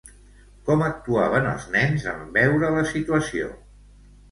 Com actuaven els nens en veure la situació?